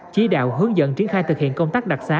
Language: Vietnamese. chỉ đạo hướng dẫn triển khai thực hiện công tác đặc xá